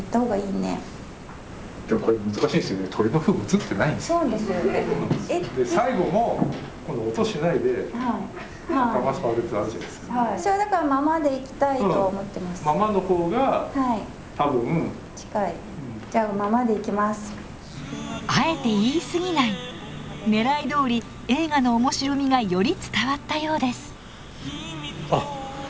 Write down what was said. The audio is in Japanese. ねらいどおり映画の面白みがより伝わったようです。